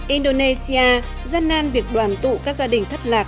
indonesia dân nan việc đoàn tụ các gia đình thất lạc